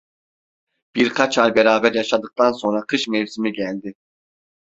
Birkaç ay beraber yaşadıktan sonra kış mevsimi geldi.